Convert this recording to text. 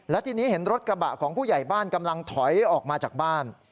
และทีนี้เห็นรถกระบะของผู้ใหญ่บ้านกำลังถอยออกมาจากบ้าน